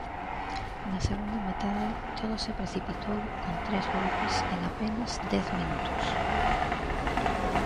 Na segunda metade todo se precipitou con tres goles en apenas dez minutos.